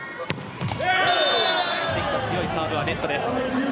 関田、強いサーブはネットです。